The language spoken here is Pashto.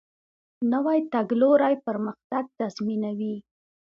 نوی تګلوری پرمختګ تضمینوي